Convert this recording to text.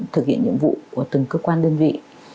thực hiện nhiệm vụ của từng cơ quan đơn vị